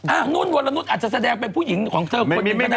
อ่ะนู้นวลานุธอาจจะแสดงเป็นผู้หญิงของกัน